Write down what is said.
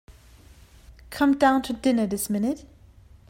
Come down to dinner this minute.